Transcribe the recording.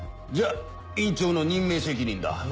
じゃあ院長の任命責任だ。